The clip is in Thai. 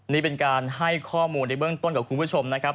นี่เป็นการให้ข้อมูลในเบื้องต้นกับคุณผู้ชมนะครับ